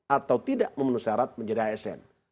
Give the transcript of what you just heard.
atau tidak memenuhi syarat menjadi asn